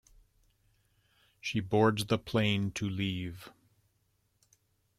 She boards the plane to leave.